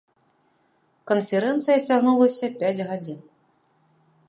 Канферэнцыя цягнулася пяць гадзін.